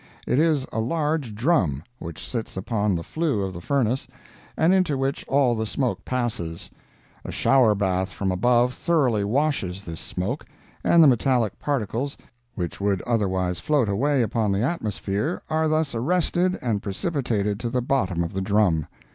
It is a large drum, which sits upon the flue of the furnace, and into which all the smoke passes; a shower bath from above thoroughly washes this smoke, and the metallic particles which would otherwise float away upon the atmosphere are thus arrested and precipitated to the bottom of the drum.